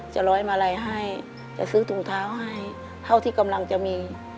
ร้อยมาลัยให้จะซื้อถุงเท้าให้เท่าที่กำลังจะมี